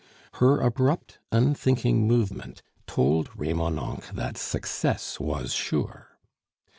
Her abrupt, unthinking movement told Remonencq that success was sure.